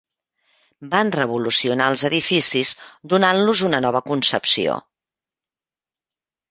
Van revolucionar els edificis donant-los una nova concepció.